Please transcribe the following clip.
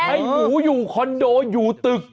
ให้หมูอยู่คอนโดอยู่ตึก